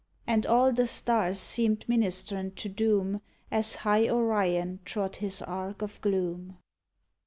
And all the stars seemed ministrant to doom As high Orion trod his arc of gloom.